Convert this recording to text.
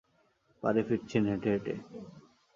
বাড়ি ফিরছেন হেঁটে হেঁটে।